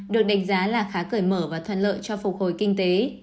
được đánh giá là khá cởi mở và thuận lợi cho phục hồi kinh tế